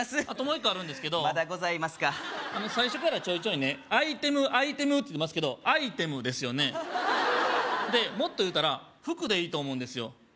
あともう一個あるんですけどまだございますか最初からちょいちょいねアイテムアイテムって言ってますけどアイテムですよねでもっと言うたら「服」でいいと思うんですよ